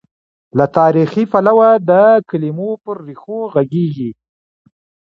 له تاریخي، پلوه د کلمو پر ریښو غږېږي.